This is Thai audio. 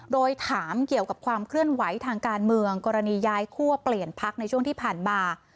โดยถามเกี่ยวกับความเคลื่อนไหวทางการเมืองกรณีย้ายคั่วเปลี่ยนพักในช่วงที่ผ่านมา